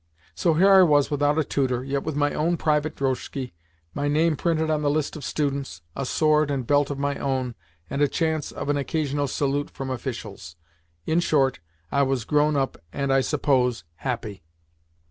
So here was I without a tutor, yet with my own private drozhki, my name printed on the list of students, a sword and belt of my own, and a chance of an occasional salute from officials! In short, I was grownup and, I suppose, happy.